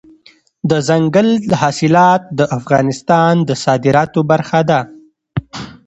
دځنګل حاصلات د افغانستان د صادراتو برخه ده.